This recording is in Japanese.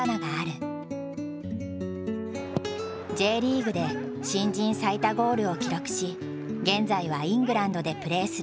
Ｊリーグで新人最多ゴールを記録し現在はイングランドでプレーする三笘。